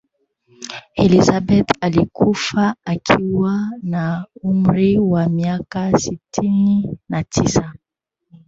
elizabeth alikufa akiwa na umri wa miaka sitini na tisa